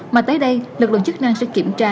mà tới đây lực lượng chức năng sẽ kiểm tra